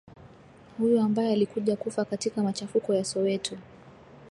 Huyo ambaye alikuja kufa katika machafuko ya Soweto